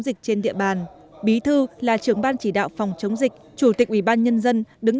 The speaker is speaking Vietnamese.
dịch trên địa bàn bí thư là trưởng ban chỉ đạo phòng chống dịch chủ tịch ủy ban nhân dân đứng